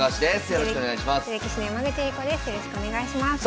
よろしくお願いします。